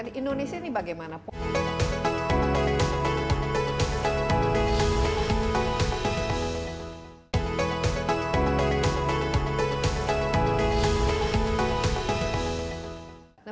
di indonesia ini bagaimana pak